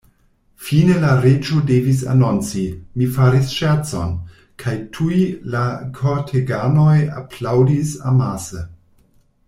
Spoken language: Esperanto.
Fine la Reĝo devis anonci "Mi faris ŝercon," kajtuj la korteganoj aplaŭdis amase.